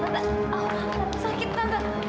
tante aku sakit tante